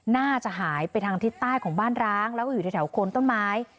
น่าจะหายไปทางทิศใต้ของบ้านร้างแล้วก็อยู่แถวโคนต้นไม้